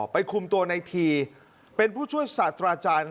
ไปคุมตัวในทีเป็นผู้ช่วยสาธารจรรย์